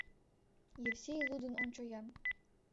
Евсей, лудын ончо-ян!..